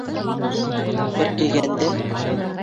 Бер килгәндә...